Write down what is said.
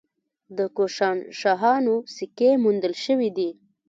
د کوشانشاهانو سکې موندل شوي دي